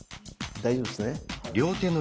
大丈夫ですね。